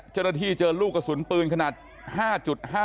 เจ้าหน้าที่เจอลูกกระสุนปืนขนาด๕๕๖